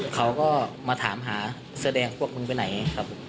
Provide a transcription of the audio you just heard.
เขาก็มาถามหาเสื้อแดงพวกมึงไปไหนครับผม